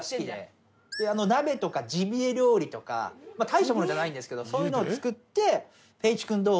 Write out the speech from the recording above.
鍋とかジビエ料理とか大したものじゃないんですけどそういうのを作って。